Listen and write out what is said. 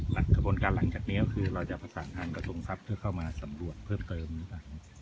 กระบวนการหลังจากนี้ก็คือเราจะประสานทางกระทรวงทรัพย์เพื่อเข้ามาสำรวจเพิ่มเติมหรือเปล่า